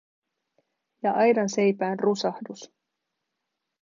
Ja aidanseipään rusahdus.